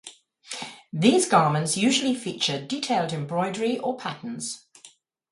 These garments usually feature detailed embroidery or patterns.